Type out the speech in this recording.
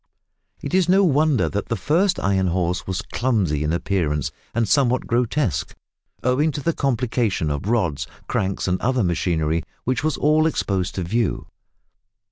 It is no wonder that the first Iron Horse was clumsy in appearance and somewhat grotesque, owing to the complication of rods, cranks, and other machinery, which was all exposed to view.